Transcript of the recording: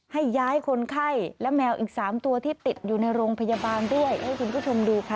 ให้ย้ายคนไข้และแมวอีกสามตัวที่ติดอยู่ในโรงพยาบาลด้วยให้คุณผู้ชมดูค่ะ